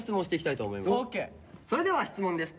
それでは質問です。